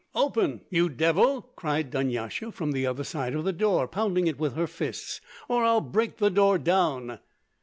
"Open, you devil!" cried Dunyasha from the other side of the door, pounding it with her fists. "Or I'll break the door down!"